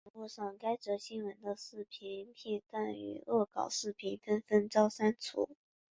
网路上该则新闻的视频片段与恶搞视频纷纷遭删除。